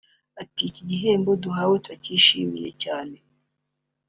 Ati “Iki gihembo duhawe turakishimiye cyane